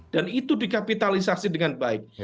dan itu dikapitalisasi dengan baik